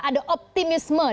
ada optimisme di sektor manusia